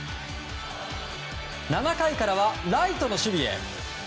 ７回からはライトの守備へ。